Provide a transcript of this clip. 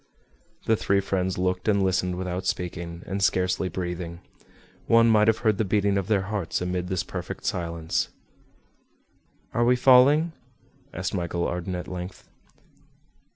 The three friends looked and listened without speaking, and scarcely breathing. One might have heard the beating of their hearts amid this perfect silence. "Are we falling?" asked Michel Ardan, at length.